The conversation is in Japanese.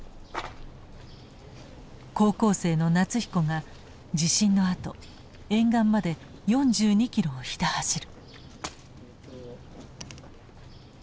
高校生の夏彦が地震の後沿岸まで４２キロをひた走る。